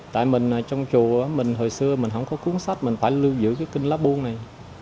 tại mình ở trong chùa mình hồi xưa mình không có cuốn sách mình phải lưu giữ cái kinh lá buông này